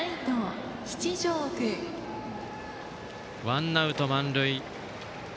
ワンアウト満塁。